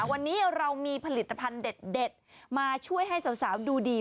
วันนี้เรามีผลิตภัณฑ์เด็ดมาช่วยให้สาวดูดี